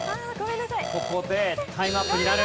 ここでタイムアップになる。